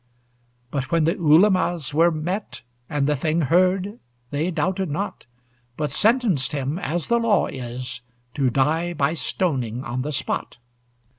But when the Ulemas were met, And the thing heard, they doubted not; But sentenced him, as the law is, To die by stoning on the spot.